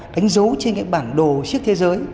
đánh dấu trên bản đồ siếc thế giới